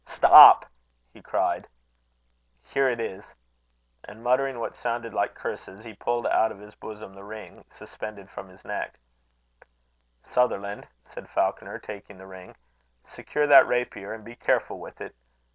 "Stop," he cried; "here it is." And muttering what sounded like curses, he pulled out of his bosom the ring, suspended from his neck "Sutherland," said Falconer, taking the ring, "secure that rapier, and be careful with it.